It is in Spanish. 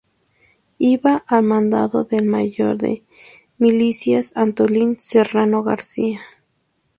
Iba al mando del mayor de milicias Antolín Serrano García.